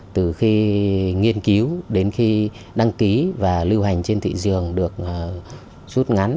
từ khi nghiên cứu đến khi đăng ký và lưu hành trên thị trường được rút ngắn